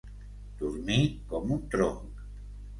Dormir com un tronc.